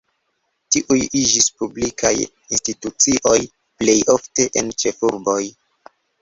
Tiuj iĝis publikaj institucioj, plej ofte en ĉefurboj.